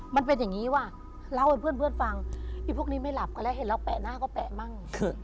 มันเป็นอย่างนี้ว่ะเล่าให้เพื่อนฟังพี่พวกนี้ไม่หลับกันแล้วเห็นเราแปะหน้าก็แปะมั่ง